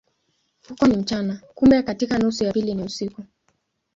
Huko ni mchana, kumbe katika nusu ya pili ni usiku.